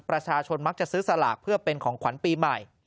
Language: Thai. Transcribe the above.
ประชาชนมักจะซื้อสลากเพื่อเป็นของขวัญปีใหม่